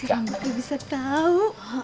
si rambutnya bisa tau